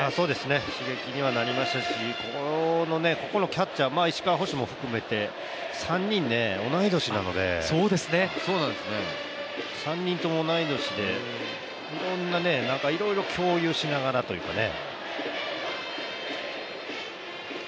刺激にはなりましたし、ここのキャッチャー、石川捕手も含めて３人同い年なので３人とも同い年で、いろんないろいろ共有しながらというかね。